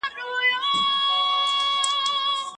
اثباتي دوره تر ټولو لوړه دوره ده.